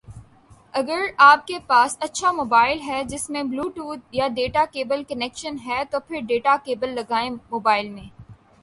اگر آپ کے پاس اچھا موبائل ہے جس میں بلوٹوتھ یا ڈیٹا کیبل کنیکشن ہے تو پھر ڈیٹا کیبل لگائیں موبائل میں